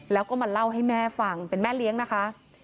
แล้วก็มาเล่าให้แม่ฟังเป็นแม่เลี้ยงนะคะ